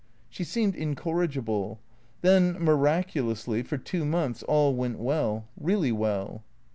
She seemed incorrigible. Then, miraculously, for two months all went well, really well.